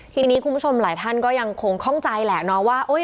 ทีนี้คุณผู้ชมหลายท่านก็ยังคงข้องใจแหละเนาะว่า